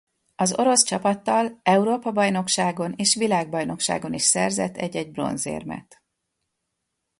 Az orosz csapattal Európa-bajnokságon és világbajnokságon is szerzett egy-egy bronzérmet.